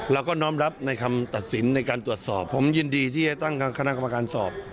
เราก็น้อมรับในคำตัดสินในการตรวจสอบผมยินดีที่จะตั้งคณะกรรมการสอบ